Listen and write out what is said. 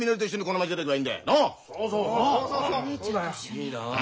いいなあ。